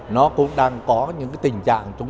nó cũng đang có những cái tình trạng